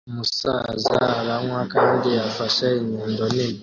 Umusaza aranywa kandi afashe inyundo nini